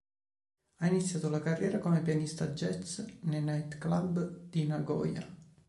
Ha iniziato la carriera come pianista jazz nei nightclub di Nagoya.